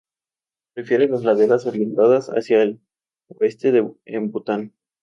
Prefiere las laderas orientadas hacia el oeste en Bután.